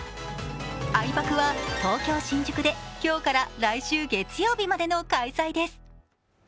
あいぱくは東京・新宿で今日から来週月曜日までの開催です。